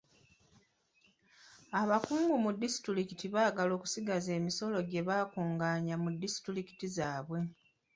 Abakungu mu disitulikii baagala okusigaza emisolo gye baakungaanya mu disitulikiti zaabwe.